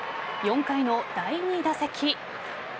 ４回の第２打席。